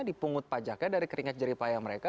dipungut pajaknya dari keringat jeripaya mereka